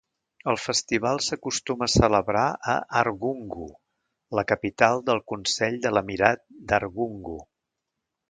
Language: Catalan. El festival s'acostuma a celebrar a Argungu, la capital del Consell de l'Emirat d'Argungu.